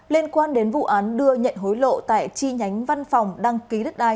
liên quan đến vụ án đưa nhận hối lộ tại chi nhánh văn phòng đăng ký đất đai